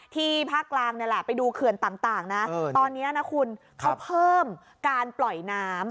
ภาคกลางนี่แหละไปดูเขื่อนต่างนะตอนนี้นะคุณเขาเพิ่มการปล่อยน้ำ